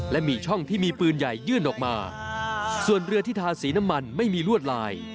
และมีช่องที่มีปืนใหญ่ยื่นออกมาส่วนเรือที่ทาสีน้ำมันไม่มีลวดลาย